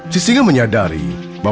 sisinga menangkap perangkap